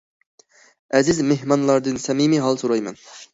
ئەزىز مېھمانلاردىن سەمىمىي ھال سورايمەن!